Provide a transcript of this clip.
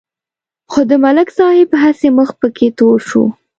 خو د ملک صاحب هسې مخ پکې تور شو.